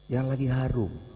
yang lagi harum